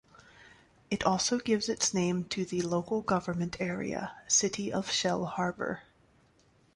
It also gives its name to the local government area, City of Shellharbour.